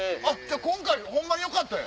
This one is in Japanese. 今回ホンマによかったんや。